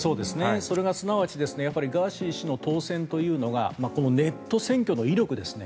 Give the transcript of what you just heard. それすなわちガーシー氏の当選というのがこのネット選挙の威力ですね